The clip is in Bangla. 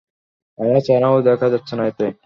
আমার চেহারাও দেখা যাচ্ছে না এতে।